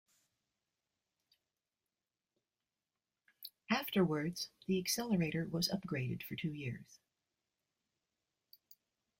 Afterwards, the accelerator was upgraded for two years.